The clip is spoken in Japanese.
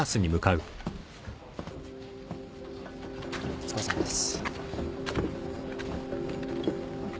お疲れさまです。